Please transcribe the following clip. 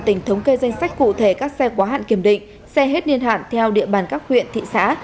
tỉnh thống kê danh sách cụ thể các xe quá hạn kiểm định xe hết niên hạn theo địa bàn các huyện thị xã